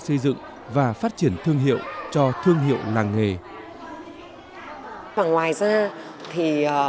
hà nội sẽ phát triển thương hiệu cho thương hiệu làng nghề